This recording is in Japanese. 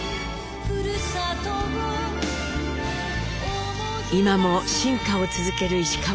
今も進化を続ける石川さゆりさん。